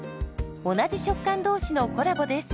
同じ食感同士のコラボです。